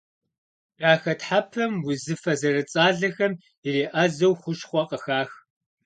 Дахэтхьэпэм узыфэ зэрыцӏалэхэм иреӏэзэу хущхъуэ къыхах.